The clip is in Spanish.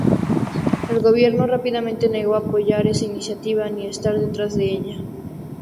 El gobierno rápidamente negó apoyar esa iniciativa ni estar detrás de ella.